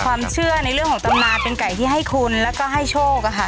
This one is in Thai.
ความเชื่อในเรื่องของตำนานเป็นไก่ที่ให้คุณแล้วก็ให้โชคอะค่ะ